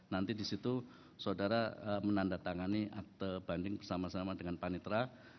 nanti di situ saudara menandatangani akte banding bersama sama dengan panitra